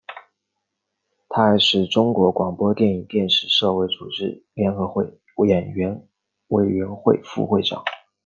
他还是中国广播电影电视社会组织联合会演员委员会副会长。